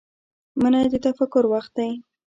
منی د تفکر وخت دی